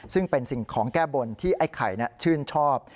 ซึ่งเป็นสิ่งของแก้บนที่ไอ้ไข่ชื่นชอบ